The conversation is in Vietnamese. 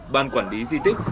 ban quản lý di tích